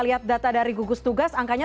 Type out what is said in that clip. lihat data dari gugus tugas angkanya